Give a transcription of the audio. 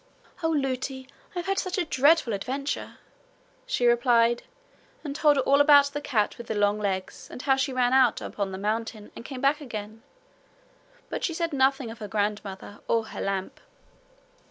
'Oh, Lootie! I've had such a dreadful adventure!' she replied, and told her all about the cat with the long legs, and how she ran out upon the mountain, and came back again. But she said nothing of her grandmother or her lamp.